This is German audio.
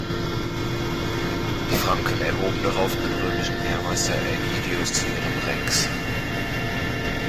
Die Franken erhoben darauf den römischen Heermeister Aegidius zu ihrem "rex".